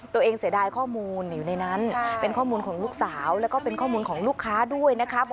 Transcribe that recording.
เสียดายข้อมูลอยู่ในนั้นเป็นข้อมูลของลูกสาวแล้วก็เป็นข้อมูลของลูกค้าด้วยนะคะ